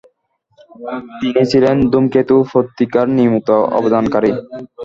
তিনি ছিলেন ধূমকেতু পত্রিকার নিয়মিত অবদানকারী।